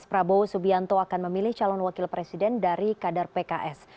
prabowo subianto akan memilih calon wakil presiden dari kader pks